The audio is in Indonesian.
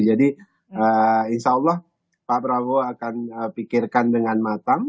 jadi insya allah pak prabowo akan pikirkan dengan matang